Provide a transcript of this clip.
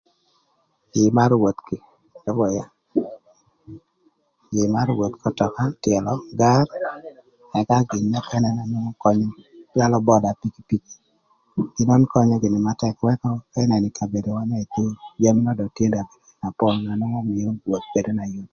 Jïï marö woth kï apwöyö. Jïi marö woth k'ötöka, tyëlö, gar ëka gin nökënë na nwongo könyö calö böda pikipiki. Gin nön könyö gïnï na tëk ëka ka ïnënö ï lobowa më Thur jami nön dong tye na pol na nwongo mïö woth bedo na yot.